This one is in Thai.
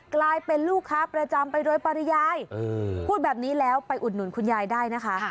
กลายเป็นลูกค้าประจำไปโดยปริยายพูดแบบนี้แล้วไปอุดหนุนคุณยายได้นะคะ